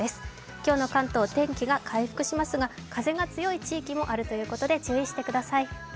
今日の関東、天気が回復しますが風が強い地域もあるということで注意してください。